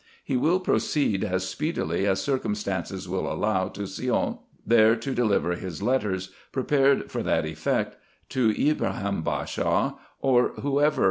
He will proceed as speedily as circumstances will allow to Siout, there to deliver his letters, prepared for that effect, to Ibrahim Bashaw, or whoever IN EGYPT, NUBIA, &c.